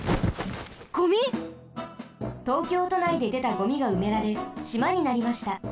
ゴミ？東京都内ででたゴミがうめられしまになりました。